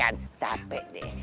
tapi kan tape deh